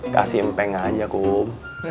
kasih empeng aja kum